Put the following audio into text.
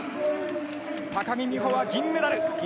高木美帆は銀メダル！